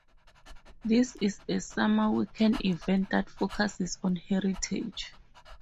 This is a summer weekend event that focuses on heritage.